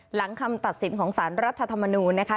หลังคำตัดสินของสารรัฐธรรมนูญนะคะ